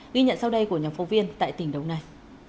ghi nhận sau đây của nhóm phóng viên tại tỉnh đồng nai